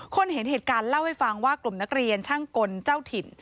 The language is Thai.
เห็นเหตุการณ์เล่าให้ฟังว่ากลุ่มนักเรียนช่างกลเจ้าถิ่น